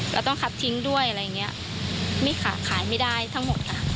เราต้องคัดทิ้งด้วยอะไรอย่างนี้ไม่ขายขายไม่ได้ทั้งหมดค่ะ